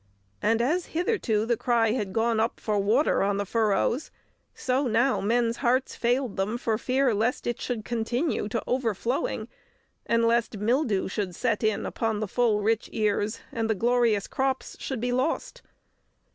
And as hitherto the cry had gone up for water on the furrows, so now men's hearts failed them for fear lest it should continue to overflowing, and lest mildew should set in upon the full, rich ears, and the glorious crops should be lost.